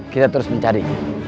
kita terus mencari